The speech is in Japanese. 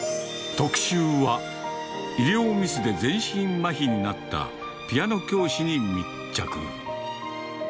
特集は、医療ミスで全身まひになったピアノ教師に密着。